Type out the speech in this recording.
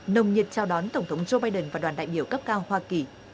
nồng nhiệt trao đón tổng thống joe biden và đoàn đại biểu cấp cao hoa kỳ